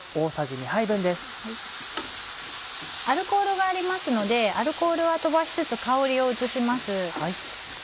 アルコールがありますのでアルコールは飛ばしつつ香りを移します。